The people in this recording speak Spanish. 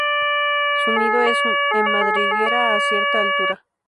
Su nido es en madriguera, a cierta altura.